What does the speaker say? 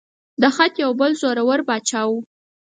دا خط د یو بل زوره ور باچا و.